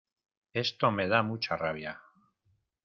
Esto me da mucha rabia.